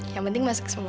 yang penting masak semua